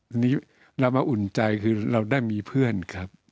อันนี้เรามาอุ่นใจคือเราได้มีเพื่อนครับ